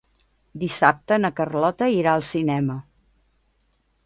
Dissabte na Carlota irà al cinema.